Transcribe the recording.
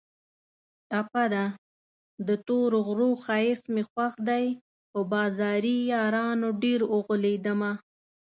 ټپه ده: د تورو غرو ښایست مې خوښ دی په بازاري یارانو ډېر اوغولېدمه